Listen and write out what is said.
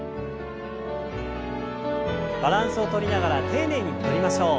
バランスをとりながら丁寧に戻りましょう。